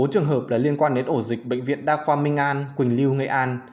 bốn trường hợp là liên quan đến ổ dịch bệnh viện đa khoa minh an quỳnh lưu nghệ an